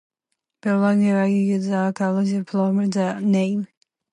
Berenguer is the Catalan form of the name.